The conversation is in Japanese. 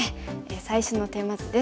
最初のテーマ図です。